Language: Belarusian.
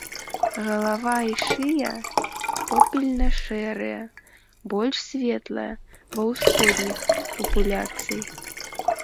Галава і шыя попельна-шэрыя, больш светлыя ва ўсходніх папуляцый.